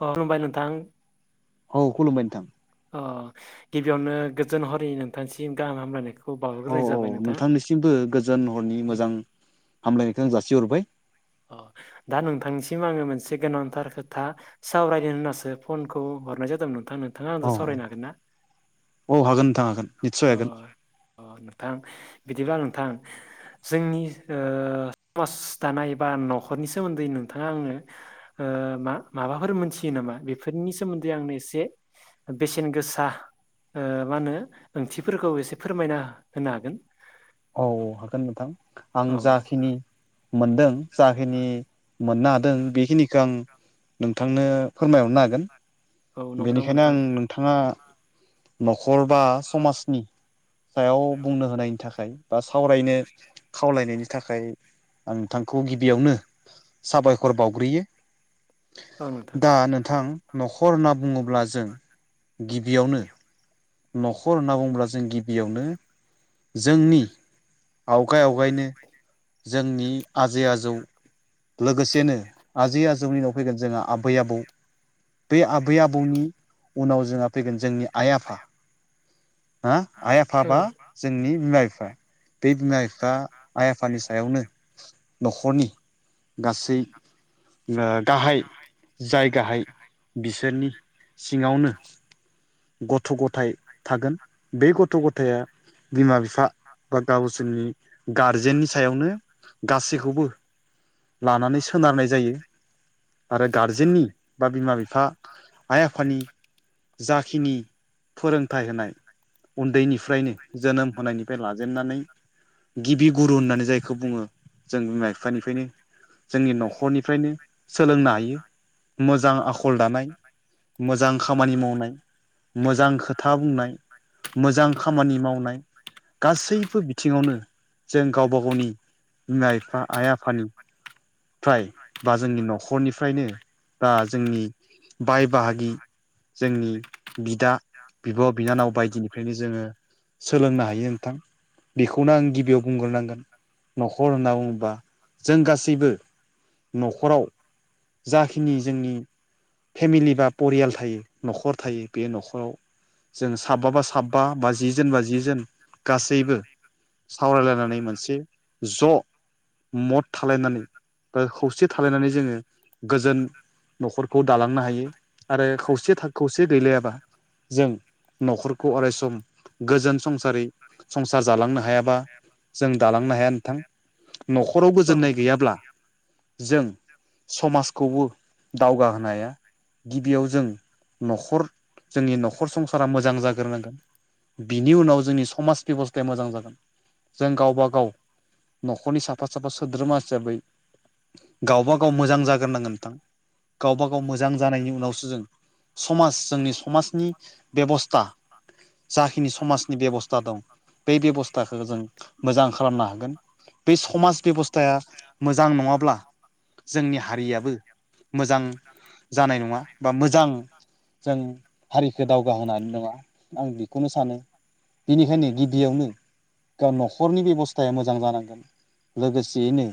अ नबाय नोंथां औ खुलुमबाय नोंथां अ गिबियावनो गोजोन हरनि नोंथांसिम गाहाम हामलायनायखौ औ बावरग्रोनाय औ नोंथांनिसिमबो गोजोन हरनि मोजां हामलायनायखौ आं जासिहरबाय अ दा नोंथांनिसिम आङो मोनसे गोनांथार खोथा सावरायदों होनासो फनखौ हरनाय जादोंमोन नोंथांनो औ औ हागोन नोंथां हागोन निस्सय अ हागोन अ नोंथां बिदिब्लाा नोंथां जोंनि समाज दानाय बा न'खरनि सोमोन्दै नोंथाङा आंनो मा माबाफोर मोनथियो नामा बेफोरनि सोमोन्दै आंनो एसे बेसेन गोसा ओ मा होनो ओंथिफोरखौ एसे फोरमायना होनो हागोन। औ हागोन नोंथां आं औ जाखिनि मोनदों जाखिनि मोननो हादों बेखिनिखौ आं नोंथांनो फोरमायहरनो हागोन औ नंगौ नामा बेनिखायनो नोंथां आं नो बिथाङा न'खर बा समाजनि सायाव बुंनो होनायनि थाखाय। बा सावरायनो खावलायनायनि थाखाय आं नोंथांखौ गिबियावनो साबायखर बावग्रोयो। औ नोंथां दा नोंथां न'खर होनना बुङोब्ला जों। गिबियावनो न'खर होनना बुङोब्ला जों गिबियावनो जोंनि आवगाय आवगायनो जोंनि आजै आजौ लोगोसेनो आजै आजौनि उनाव' फैगोन जोंहा आबै आबौ। बै आबै आबौनि उनाव जोंहा फैगोन जोंनि आइ आफा आइ औ आफाबा जोंनि बिमा बिफा बे बिमा बिफा आइ आफानि सायावनो न'खरनि गासै ओ गाहाय जाय गाहाय बिसोरनि सिङावनो गथ' गथाय थागोन बे गथ' गथाया बिमा बिफा बा गावसोरनि गारजेननि सायावनो गासैखौबो लानानै सोनारनाय जायो। आरो गारजेननि बा बिमा बिफा आइ आफानि खिनि फोरोंथाइ होनाय उन्दैनिफ्रायनो जोनोम होनायनिफ्राय लाजेननानै गिबि गुरु होननानै जायखौ बुङो जों बिमा बिफानिफ्रायनो जोंनि न'खरनिफ्रायनो सोलोंनो हायो मोजां आखल दानाय। मोजां खामानि मावनाय मोजां खोथा बुंनाय मोजां खामानि मावनाय गासैबो बिथिङावनो जों गावबा गावनि बिमा बिफा आइ आफानि फ्राय बा जोंनि न'खरनिफ्रायनो बा जोंनि बाय बाहागि जोंनि बिदा बिब' बिनानाव बायदिनिफ्रायनो जोङो सोलोंनो हायो नोंथां। बेखौनो आं गिबियाव बुंग्रोनांगोन न'खर होनना बुङोबा जों गासैबो न'खराव जाखिनि जोंनि फेमिलि बा परियाल थायो न'खर थायो। बे न'खराव जों साबा बा साबा बा जि जोन बा जि जोन गासैबो। सावरायलायनानै मोनसे ज' मद थालायनानै बा खौसे थालायनानै जोङो गोजोन न'खरखौ दालांनो हायो। आरो खौसे खौसे गैलायाबा जों न'खरखौ अराय सम गोजोन संसारै संसार जालांनो हायाबा जों दालांनो हाया नोंथां। न'खराव औ गोजोननाय नोंथां गैयाब्ला जों समाजखौबो दावगाहोनो हाया। गिबियाव जों न'खर जोंनि न'खर संसारा मोजां जाग्रोनांगोन। बिनि उनाव जोंनि समाज बेब'स्थाया मोजां जागोन। जों गावबाागाव न'खरनि साफा साफा सोद्रोमा हिसाबै गावबा गाव मोजां जाग्रनांगोन नोंथां। गावबा गाव मोजां जानायनि उनावसो जों समाज जोंनि नि बेबस्था जाखिनि समाजनि बेब'स्था दं बे बेब'स्थाखौ जों मोजां खालामनो हागोन बे समाज बेबस्थाया मोजां नंङाब्ला जोंनि हारियाबो मोजां जानाय नंङा बा मोजां जों हारिखौ दावगा होनानै नंङा आं बेखौनो सानो बेनिखायनो गिबियावनो न'खरनि बेब'स्थाया मोजां जानांगोन लोगोसेयैनो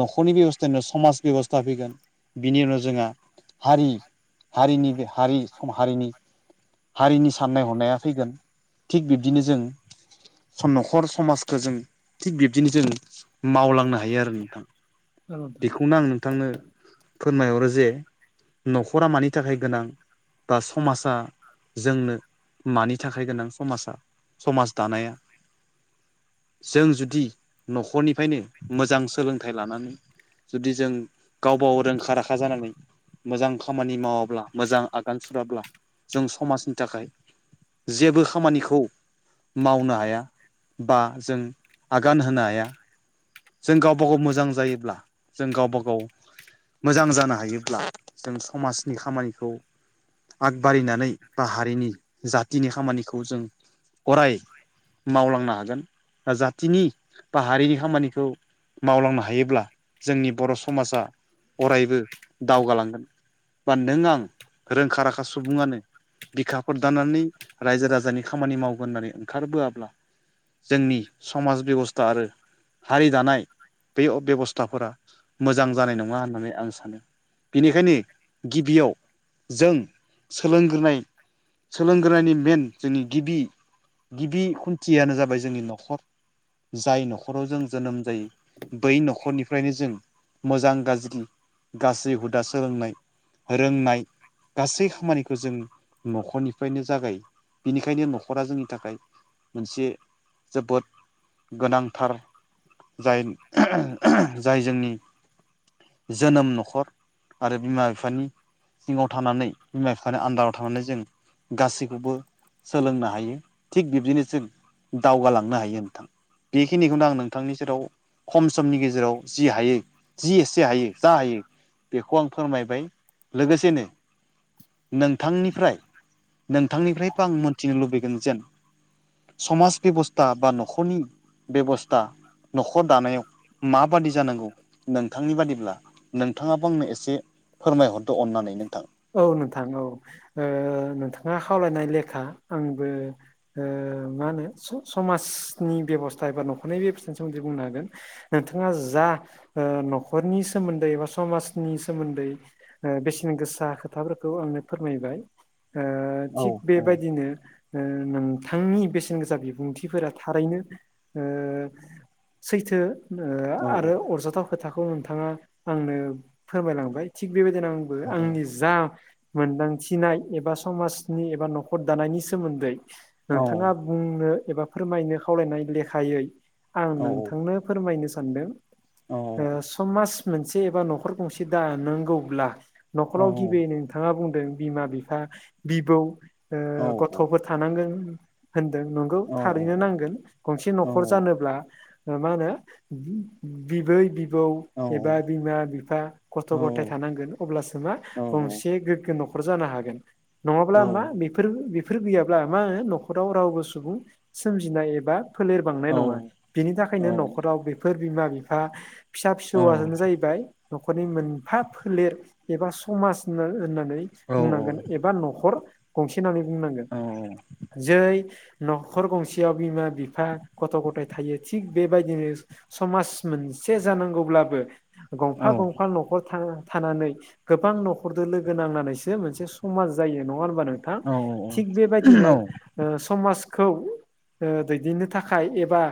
न'खरनि बेब'स्थानि उनाव समाज बेब'स्था फैगोन बिनि उनाव जोंहा हारि हारिनि बे हारि सम हारिनि हारिनि साननाय हनाया फैगोन थिग बिब्दिनो जों न'खर समाजखौ जों थिग बिब बिदिनो जों मावलांनो हायो आरो नोंथां औ नोंथां औ बेखौनो आं नोंथांनो फोरमायहरो जे न'खरा मानि थाखाय गोनां बा समाजा जोंनो मानि थाखाय गोनां समाजा समाज दानाया जों जुदि न'खरनिफ्रायनो मोजां सोलोंथाइ लानानै जुदि जों गावबाव रोंखा राखा जानानै मोजां खामानि मावाब्ला मोजां आगान सुराब्ला जों समाजनि थाखाय जेबो खामानिखौ मावनो हाया बा जों आगान होनो हाया। जों गावबा गाव मोजां जायोब्ला जों गावबा गाव मोजां जानो हायोब्ला जों समाजनि खामानिखौ आगबारिनानै बा हारिनि जाथिनि खामानिखौ जों अराय मावलांनो हागोन जाथिनि बा हारिनि खामानिखौ मावलांनो हायोब्ला जोंनि बर' समाजा अरायबो दावगालांगोन। बा नों आं रोंखा राखा सुबुंङानो बिखा फोरदानानै रायजो राजानि खामानि मावगोन होननानै ओंखारबोआब्ला जोंनि समाज बेब'स्था आरो हारि दानाय बे अ बेब'स्थाफोरा मोजां जानाय नंङा होननानै आं सानो। बेनिखायनो गिबियाव जों सोलोंग्रोनाय। सोलोंग्रोनायनि मेन जोंनि गिबि गिबि खुन्थियानो जाबाय जोंनि न'खर जाय न'खराव जों जोनोम जायो। बै न'खरनिफ्रायनो जों मोजां गाज्रि गासै हुदा सोलोंनाय रोंनाय गासै खामानिखौ जों न'खरनिफ्रायनो जागायो बेनिखायनो न'खरा जोंनि थाखाय मोनसे जोबोद गोनांथार जाय जाय जोंनि जोनोम न'खर आरो बिमा बिफानि सिङाव थानानै बिमा बिफानि आन्दाराव थनानै जों गासैखौबो सोलोंनो हायो थिग बिब्दिनोसो दावगालांनो हायो नोंथां बेखिनिखौनो आं नोंथांनि सेराव खम समनि गेजेराव जि हायो जि एसे हायो जा हायो बेखौ आं फोरमायबाय लोगोसेनो नोंथांनिफ्राय नोंथांनिफ्रायबो आं मोनथिनो लुबैगोन जेन समाज बेबस्था बा न'खरनि बेब'स्था न'खर दानायाव माबादि जानांगौ नोंथांनि बादिब्ला नोंथाङाबो आंनो एसे फोरमायहरदो अननानै नोंथां। औ नोंथां औ ओ नोंथाङा खावलायनाय लेखा आंबो ओ मा होनो स-समाजनि बेब'स्था एबा न'खरनि बेबस्थानि सोमोन्दै बुंना होगोन। नोंथाङा जा ओ न'खरनि सोमोन्दै बा समाजनि सोमोन्दै ओ बेसेन गोसा खोथाफोरखौ आंनो फोरमायबाय ओ औ थिग औ बेबायदिनो ओ नोंथांनि बेसेन गोसा बिबुंथिफोरा थारैनो ओ सैथो ओ औ आरो औ अरजाथाव खोथाखौ नोंथाङा आंनो फोरमायलांबाय थिग बेबायदिनो आंबो औ आं नोंथां आंनि जा मोनदांथिनाय एबा समाजनि एबा न'खर दानायनि सोमोन्दै नोंथाङा बुंनो एबा फोरमायनो खावलायनाय लेखायै। आं नोंथांनो फोरमायनो सानदों। औ ओ समाज मोनसे एबा न'खर गंसे दानांगौब्ला नख'राव गिबियै नोंथाङा बुंदों बिमा बिफा बिबौ ओ गथ'फोर थानांगोन। होनदों नंगौ थारैनो नांगोन गंसे न'खर जानोब्ला ओ मा होनो बिबै बिबौ एबा बिमा बिफा खस्थ' गथाय थानांगोन अब्लासो मा गंसे गोग्गो न'खर जानो हागोन। नङाब्ला मा बेफोर बेफोर गैयाब्ला मा होनो न'खराव रावबो सुबुं सोमजिनाय एबा फोलेरबांनाय नङा बिनि थाखायनो न'खराव बेफोर बिमा बिफा फिसा फिसौआनो जाहैबाय न'खरनि मोनफा फोलेर एबा समाज होनना होननानै बुंनांगोन एबा न'खर गंसे होननानै बुंनांगोन। जै न'खर गंसेयाव बिमा बिफा गथ' गथाय थायो थिग बेबायदिनो समाज मोनसे जानांगौब्लाबो गंफा गंफा न'खर थाना-थानानै गोबां न'खरजों लोगो नांनानैसो मोनसे समाज जायो। नङा होमबा नोंथां? थिग बेबायदिनो ओ समाजखौ ओ दैदेननो थाखाय एबा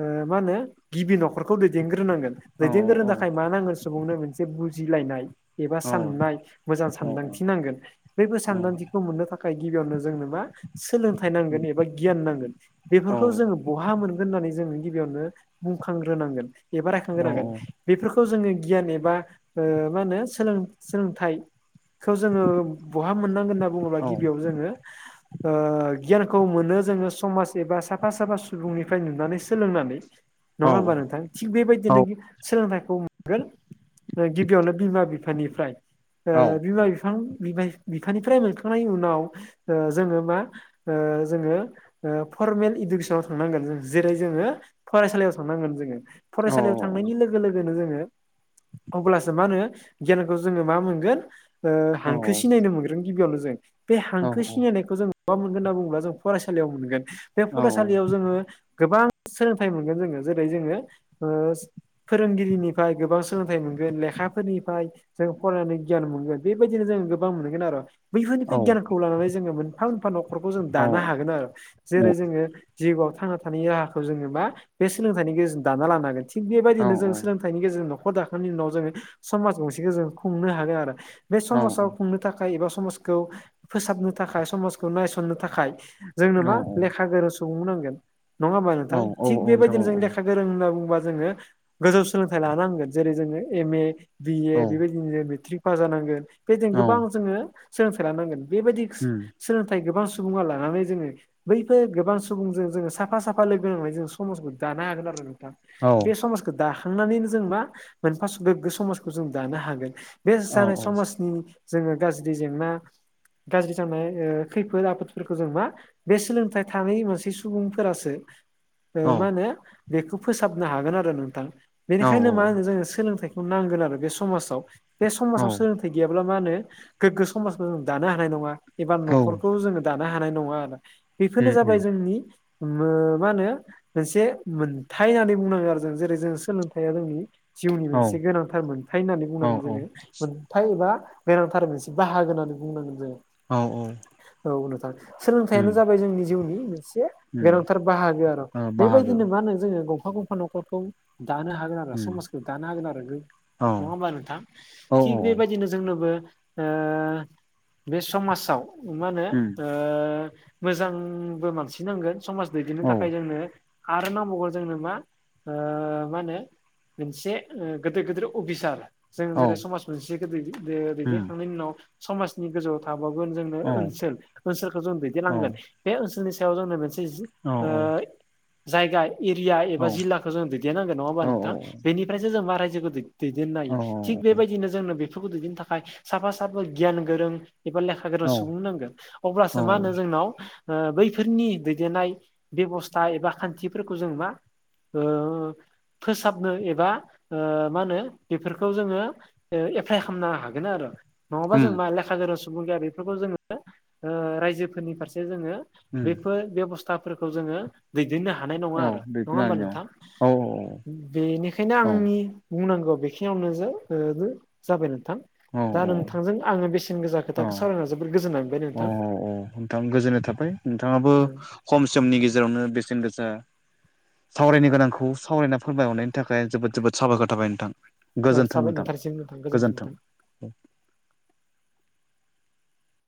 ओ मा होनो गिबि न'खरखौ दैदेनग्रोनांगोन। दैदेनगोरनो थाखाय मा नांगोन सुबुंनो मोनसे बुजिलायनाय एबा साननाय मोजां सानदांथि नांगोन। बैबो सान्दांथिखौ मोननो थाखाय गिबियावनो जोंनो मा सोलोंथाइ नांगोन एबा गियान नांगोन। बेफोरखौ जोङो बहा मोनगोन होननानै जोंङ गिबियावनो बुंखांग्रोनांगोन एबा रायखांग्रोनांगोन बेफोरखौ जोङो गियान एबा ओ मा होनो सोलों-सोलोंथाइखौ जोङो बहा मोननांगोन होनना बुङोब्ला गिबियाव जोङो ओ गियानखौ मोनो जोङो समाज एबा साफा साफा सुबुंनिफ्राय नुनानै सोलोंनानै नङा होमबा नोंथां? थिग बेबायदिनो गि सोलोंथाइखौ मोनगोन गिबियावनो बिमा बि फा निफ्राय ओ बिमा बिफां बिमाय‌ बिफानिफ्राय मोनखांनायनि उनाव ओ जोङो मा ओ जोङो ओ फरमेल इडुकेसनाव थांनांगोन जेरै जोङो फरायसालियाव थांनांगोन जोङो औ फरायसालियाव थांनायनि लोगो लोगोनो जोङो अब्लासो मा होनो गियानखौ जोङो मा मोनगोन ओ हांखो सिनायनो मोनगोन गिबियावनो जों बे हांखो सिनायनायखौ जों बहा मोनगोन होनना बुङोब्ला जों फरायसालियाव मोनगोन बे फरायसालियाव जोङो गोबां सोलोंथाइ मोनगोन जोङो जेरै जोङो ओ फोरोंगिरिनिफ्राय गोबां सोलोंथाइ मोनगोन लेखाफोरनि फ्राय जों फरायनानै गियान मोनगोन बेबायदिनो जों गोबां मोनगोन आरो बैफोरनिफ्राय गियानखौ लानानै जोङो मोनफा मोनफा न'खरखौ जों दानो हागोन आरो जेरै जोङो जिउआव थांना थानायनि राहाखौ जोङो मा बे सोलोंथाइनि गेजेरजों दाना लानो हागोन थिग बेबायदिनो जों सोलोंथाइनि गेजेरजों नख'र दाखांनायनि उनाव जोङो समाज गंसेखौ जों खुंनो हागोन आरो बे समाजाव खुंनो थाखाय एबा समाजखौ फोसाबनो थाखाय समाजखौ नायसननो थाखाय जोंनो मा लेखा गोरों सुबुंबो नांगोन नङा होमबा नोंथां थिग बेबायदिनो जों लेखा गोरों होनना बुंोबा जोङो गोजौ सोलोंथाइ लानांगोन जेरै जोङो एम ए बि ए बेबायदिनो मेट्रिक पास जानांगोन औ बेबायदिनो औ गोबां जोङो सोलोंथाइ लानांगोन। बेबायदि उम सोलोंथाइ गोबां सुबुङा लानानै जोङो बैफोर गोबां सुबुंजों जोङो साफा साफा लोगो नांनानै जों समाजखौ दानो हागोन आरो नोंथां। औ बे समाजखौ दाखांनानैनो जों मा मोनफा गोग्गो समाजखौ जों दानो हागोन। बे औ जानाय समाजनि जोङो गाज्रि जेंना गाज्रि जनाय खैफोद आफोदफोरखौ जों मा बे सोलोंथाइ थानाय मोनसे सुबुंफोरासो ओ औ मा होनो बेखौ फोसाबनो हागोन आरो नोंथां औ बेनिखायनो मा होनो जोंङो सोलोंथाइ खौ नांगोन आरो बे समाजाव बे औ समाजाव सोर थाय गैयाब्ला मा होनो गोगो समाज खौ दानो हानाय नङा एबा औ न'खौ जोंङो दा नो हानाय नङा आरो बेफोरनो उम जाबाय उम जोंनि मा होनो मोनसे मोनथाय होननानै बुंनांगो आरो जों जेरै जों सोलोंथाइया जोंनि जिउनि औ मोनसे गोनांथार मोनथाय होननानै औ बुंनांगोन जोंङो मोनथाय एबा बेनांथार मोनसे बाहागो होननानै बुंनांगोन जोंङो। औ औ औ नोंथां उम सोलोंथाइयानो जाबाय जोंनि जिउनि मोनसे उम गोनांथार बाहागो आरो ओ बाहागो बेबायदिनो मा होनो जोंङो गंफा गंफा न'खरखौ दानो हा गोन आरो उम समाजखौ दानो होगोन आरो नङा औ होमब्ला नोंथां औ थिग बेबायदिनो जोंनोबो ओ बे समाजाव मा होनो उम ओ मोजांबो मानसि नांगोन समाज दैदेननो औ थाखाय जोंनो आरो नांबावगोन जोंनो मा ओ मा होनो मोनसे गोदोर गोदोर अफिसार जों औ जेरै समाज मोनसेखौ उम दैदेनखांनायनि उनाव समाज नि गोजौआव थाबावगोन जोंनो औ ओनसोल ओनसोलखौ जों औ दैदेनलांगोन बे ओनसोलनि सायाव जोंनो मोनसे औ ओ जायगा एरिया एबा जिला जों दैदेनांगोन नङा होमबा नोंथां बेनिफ्रायस जों मा रायजोखौ दै देननो औ हायो थिग बेबायदिनो जोंनो बेफोरखौ दैदेननो थाखाय साफा साफा गियान गोरों एबा लेखा गोरों औ सुबुं नांगोन औ अब्लासो मा होनो जोंनाव ओ बैफोरनि दैदेननाय बेबस्था एबा खान्थिफोरखौ जों मा ओ फोसाबनो एबा ओ मा होनो बेफोरखौ जोंङो एप्लाइ खालामनो हागोन आरो। नङाबा उम जों मा लेखा गोरों सुबुं गैया बेफोरखौ जोंङो रायजोफोरनि फारसे जोंङो उम बेफोर बेबस्थाफोरखौ जोंङो दैदेननो हानाय नङा औ आरो नङा होमबा बेखिनियानो नोंथां औ बेनिखायनो औ आंनि बुंनांगौ बेखिनियावनो जाबाय नोंथां औ दा नोंथांजों आङो बेसेन गोजा खो था सावरायना जोबोर गोजोनबाय। अ औ नोंथां गोजोननाय थाबाय नोंथाङाबो खम समनि गेजेरावनो बेसेन गोसा सावरायनो गोनांखौ सावरायना फोरमायहरनायनि थाखाय जोबोद जोबोद साबायखर थाबाय नोंथां। ओ गोजोन्थों साबाय नोंथां नोंथांसिम गोजोन्थों नोंथां